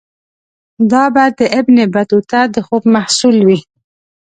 دا به د ابن بطوطه د خوب محصول وي.